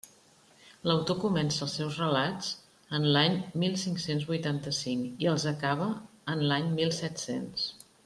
L'autor comença els seus relats en l'any mil cinc-cents vuitanta-cinc i els acaba en l'any mil set-cents.